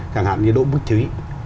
chẳng hạn như đỗ bức chí